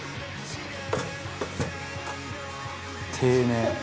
丁寧。